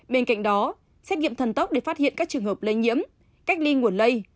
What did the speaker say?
bên cạnh đó xét nghiệm thần tốc để phát hiện các trường hợp lây nhiễm cách ly nguồn lây